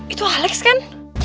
itu alex kan